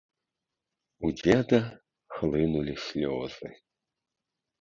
У дзеда хлынулі слёзы.